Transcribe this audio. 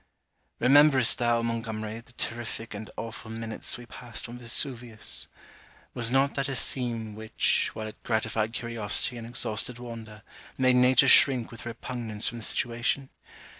Rememberest thou, Montgomery, the terrific and awful minutes we past on Vesuvius! Was not that a scene which, while it gratified curiosity and exhausted wonder, made nature shrink with repugnance from the situation?